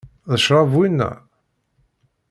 D ccṛab wina?